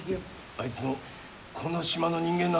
あいつもこの島の人間なのか？